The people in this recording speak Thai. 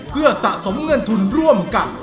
เพื่อสะสมเงินทุนร่วมกัน